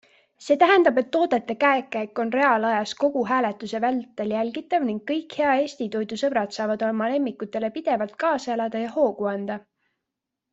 See tähendab, et toodete käekäik on reaalajas kogu hääletuse vältel jälgitav ning kõik hea Eesti toidu sõbrad saavad oma lemmikutele pidevalt kaasa elada ja hoogu anda.